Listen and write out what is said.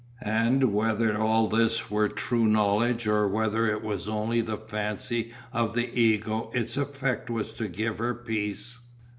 And whether all this were true knowledge or whether it was only the fancy of the ego its effect was to give her peace.